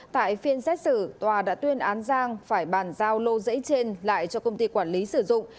tại phiên xét xử tòa đã tuyên án giang phải bàn giao lô giấy trên lại cho công ty quản lý sử dụng